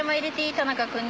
田中君に。